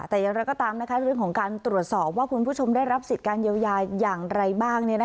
แต่อย่างไรก็ตามเรื่องของการตรวจสอบว่าคุณผู้ชมได้รับสิทธิ์การเยียวยาอย่างไรบ้าง